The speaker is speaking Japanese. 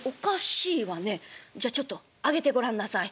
じゃちょっとあげてごらんなさい」。